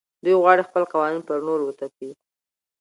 دوی غواړي خپل قوانین پر نورو وتپي.